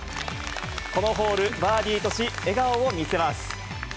このホール、バーディーとし、笑顔を見せます。